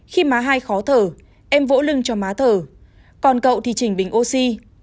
khi má hai khó thở em vỡ lưng cho má thở còn cậu thì chỉnh bình oxy